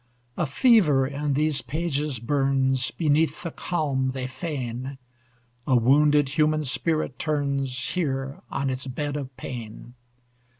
A fever in these pages burns Beneath the calm they feign; A wounded human spirit turns, Here, on its bed of pain.